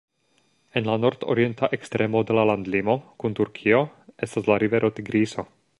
En la nordorienta ekstremo de la landlimo kun Turkio estas la rivero Tigriso.